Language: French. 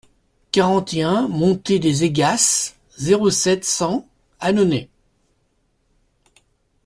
quarante et un montée des Aygas, zéro sept, cent, Annonay